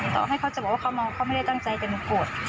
ต่อให้เขาจะบอกว่าเขาเมาเขาไม่ได้ตั้งใจจะมาโกรธ